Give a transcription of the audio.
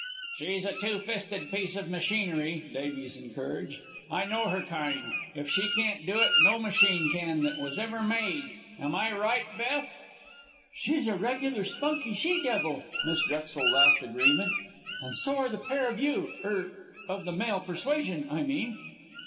"She's a two fisted piece of machinery," Davies encouraged. "I know her kind. If she can't do it, no machine can that was ever made. Am I right, Beth?" "She's a regular, spunky she devil," Miss Drexel laughed agreement. "And so are the pair of you er of the male persuasion, I mean."